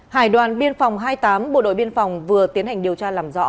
hải đoàn biên phòng hai mươi tám bộ đội biên phòng vừa tiến hành điều tra làm rõ